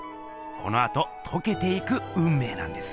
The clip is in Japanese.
このあととけていくうんめいなんです。